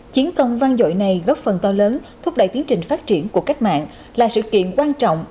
chiến công vang dội này góp phần to lớn thúc đẩy tiến trình phát triển của cách mạng là sự kiện quan trọng